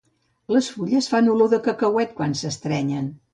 Les fulles fan olor de cacauet quan s'estrenyen.